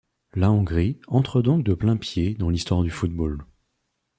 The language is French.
La Hongrie entre donc de plain-pied dans l'histoire du football.